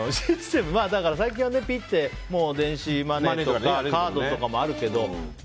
最近は電子マネーとかカードとかもあるけど。